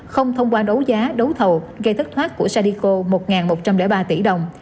không thông qua đấu giá đấu thầu gây thất thoát của sadico một một trăm linh ba tỷ đồng